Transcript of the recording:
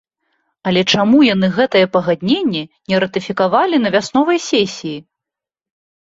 Але чаму яны гэтае пагадненне не ратыфікавалі на вясновай сесіі?